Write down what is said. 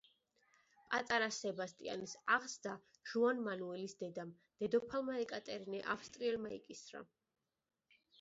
პატარა სებასტიანის აღზრდა ჟუან მანუელის დედამ, დედოფალმა ეკატერინე ავსტრიელმა იკისრა.